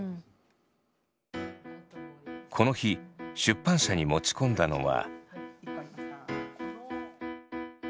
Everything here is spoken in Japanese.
この日出版社に持ち込んだのは。